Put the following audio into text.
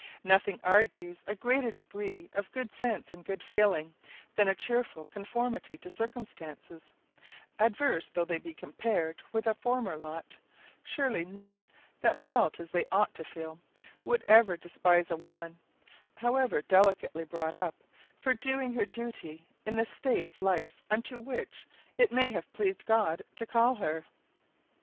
Nothing argues a greater degree of good sense and good feeling than a cheerful conformity to circumstances, adverse though they be compared with a former lot; surely none that felt as they ought to feel, would ever despise a woman, however delicately brought up, for doing her duty in the state of life unto which it may have pleased God to call her.